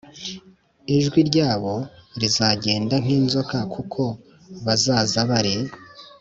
Ijwi ryabo rizagenda nk inzoka kuko bazaza bari